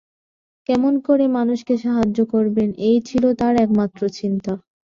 কেমন করে মানুষকে সাহায্য করবেন, এই ছিল তাঁর একমাত্র চিন্তা।